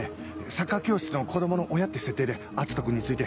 サッカー教室の子供の親って設定で篤斗君について。